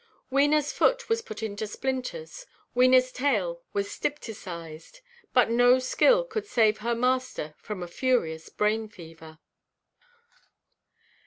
Wenaʼs foot was put into splinters, Wenaʼs tail was stypticised; but no skill could save her master from a furious brain–fever.